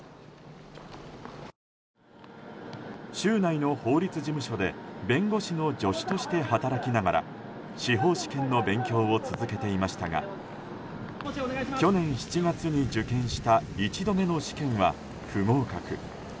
州内の法律事務所で弁護士の助手として働きながら司法試験の勉強を続けていましたが去年７月に受験した１度目の試験は不合格。